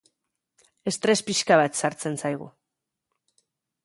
Estres pixka bat sartzen zaigu.